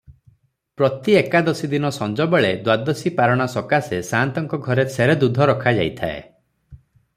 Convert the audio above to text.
ପ୍ରତି ଏକାଦଶୀଦିନ ସଞ୍ଜବେଳେ ଦ୍ଵାଦଶୀ ପାରଣା ସକାଶେ ସାଆନ୍ତଙ୍କ ଘରେ ସେରେ ଦୁଧ ରଖାଯାଇଥାଏ ।